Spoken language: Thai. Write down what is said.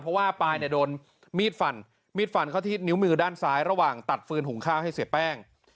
เพราะว่าปายเนี่ยโดนมีดฟันมีดฟันเข้าที่นิ้วมือด้านซ้ายระหว่างตัดฟืนหุงข้าวให้เสียแป้ง